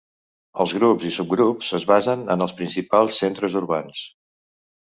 Els grups i subgrups es basen en els principals centres urbans.